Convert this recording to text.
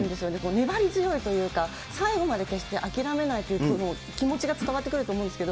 粘り強いというか、最後まで決して諦めないという気持ちが伝わってくると思うんですよ。